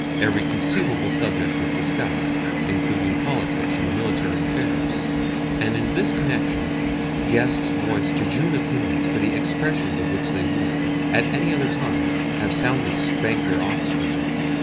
Every conceivable subject was discussed, including politics and military affairs; and in this connection guests voiced jejune opinions for the expression of which they would, at any other time, have soundly spanked their offspring.